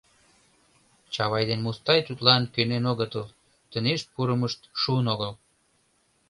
Чавай ден Мустай тудлан кӧнен огытыл: тынеш пурымышт шуын огыл.